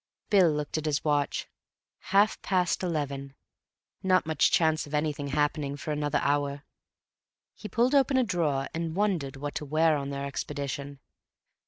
Bill looked at his watch. Half past eleven. Not much chance of anything happening for another hour. He pulled open a drawer and wondered what to wear on their expedition.